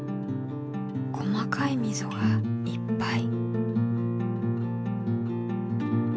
細かいみぞがいっぱい。